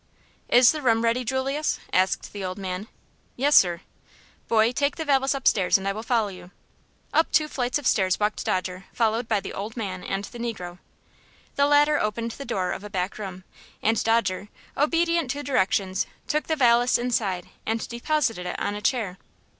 "Is the room ready, Julius?" asked the old man. "Yes, sir." "Boy, take the valise upstairs, and I will follow you." Up two flights of stairs walked Dodger, followed by the old man and the negro. The latter opened the door of a back room, and Dodger, obedient to directions, took the valise inside and deposited it on a chair.